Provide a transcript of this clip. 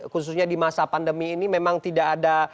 khususnya di masa pandemi ini memang tidak ada